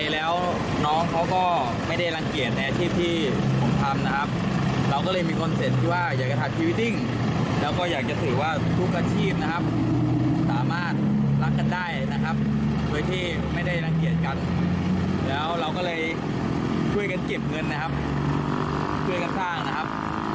แล้วฟังเสียงเขาหน่อยครับ